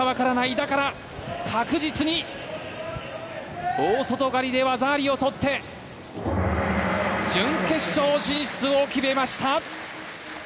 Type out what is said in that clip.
だから、確実に大外刈りで技ありを取って準決勝進出を決めました！